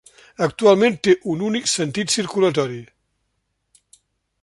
Actualment té un únic sentit circulatori.